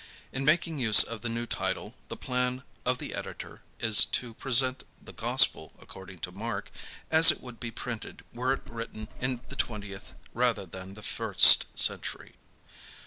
In making use of the new title, the plan of the Editor is to present "The Gospel: According to Mark" as it would be printed were it written in the twentieth rather than the first century.